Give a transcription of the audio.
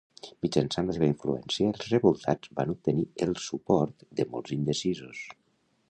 Mitjançant la seva influència, els revoltats van obtenir el suport de molts indecisos.